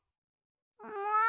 もう！